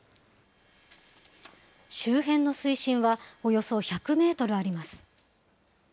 周辺の水深はおよそ１００メートルあります。